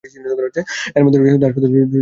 এর মধ্যে রয়েছে দাসপ্রথা, যুদ্ধ এবং সন্ত্রাস।